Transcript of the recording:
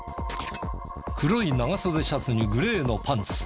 黒い長袖シャツにグレーのパンツ。